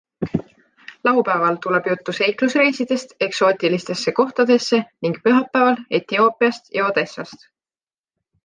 Laupäeval tuleb juttu seiklusreisidest eksootiulistesse kohtadesse ning pühapäeval Etioopiast ja Odessast.